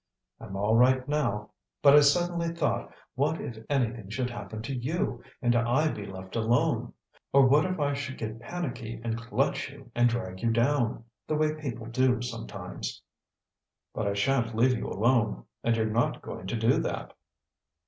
"I'm all right now; but I suddenly thought, what if anything should happen to you, and I be left alone! Or what if I should get panicky and clutch you and drag you down, the way people do sometimes!" "But I shan't leave you alone, and you're not going to do that!"